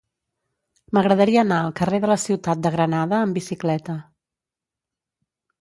M'agradaria anar al carrer de la Ciutat de Granada amb bicicleta.